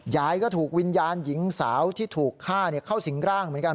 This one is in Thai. ยายก็ถูกวิญญาณหญิงสาวที่ถูกฆ่าเข้าสิงร่างเหมือนกัน